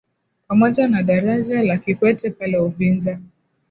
pamoja na daraja la Kikwete pale Uvinza